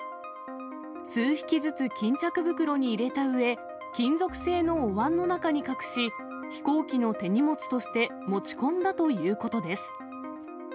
数匹ずつ巾着袋に入れたうえ、金属製のおわんの中に隠し、飛行機の手荷物として持ち込んだということです。